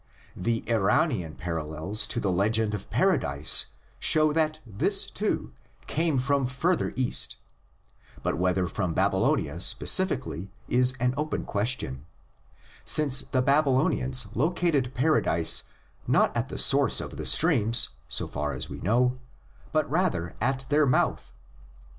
The Eranian paral lels to the legend of Paradise show that this, too, came from further East, but whether from Babylonia specifically is an open question, since the Babylo nians located Paradise not at the source of the streams, so far as we know, but rather at their mouth.